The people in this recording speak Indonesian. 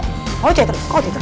kau cek terus kau cek terus